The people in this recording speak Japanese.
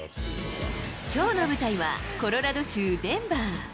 きょうの舞台は、コロラド州デンバー。